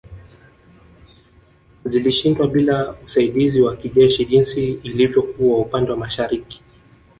Zilishindwa bila usaidizi wa kijeshi jinsi ilivyokuwa upande wa mashariki